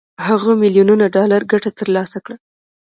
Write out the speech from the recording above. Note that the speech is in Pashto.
هغه میلیونونه ډالر ګټه تر لاسه کړه